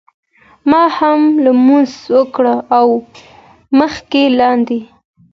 ما هم لمونځ وکړ او مخکې لاندې.